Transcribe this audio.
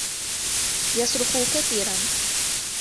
يصرخ كثيرا.